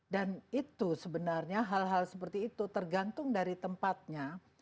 dan itu sebenarnya hal hal seperti itu tergantung dari tempatnya